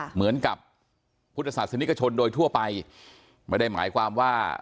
เหมือนกับพุทธศาสนิกชนโดยทั่วไปไม่ได้หมายความว่า